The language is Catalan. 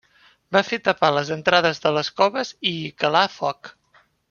Va fer tapar les entrades de les coves i hi calà foc.